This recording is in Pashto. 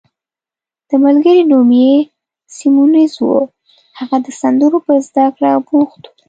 د ملګري نوم یې سیمونز وو، هغه د سندرو په زده کړه بوخت وو.